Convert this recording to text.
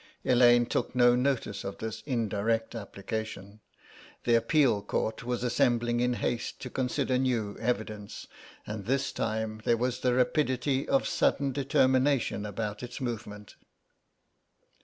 Elaine took no notice of this indirect application. The Appeal Court was assembling in haste to consider new evidence, and this time there was the rapidity of sudden determination about its movement.